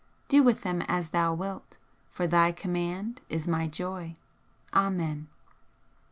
Do with them as Thou wilt, for Thy command is my joy. Amen.